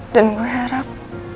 dan gue harap